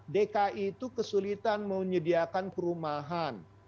dki itu kesulitan menyediakan perumahan